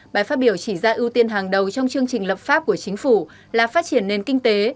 bài phát biểu chỉ ra ưu tiên hàng đầu trong chương trình lập pháp của chính phủ là phát triển nền kinh tế